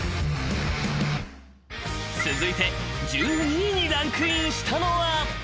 ［続いて１２位にランクインしたのは］